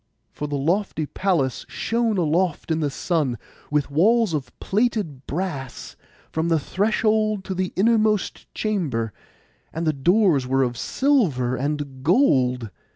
For the lofty palace shone aloft in the sun, with walls of plated brass, from the threshold to the innermost chamber, and the doors were of silver and gold.